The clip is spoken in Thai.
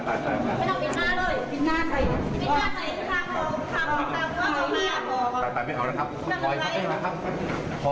ตอนต่อไปต่อไปต่อไป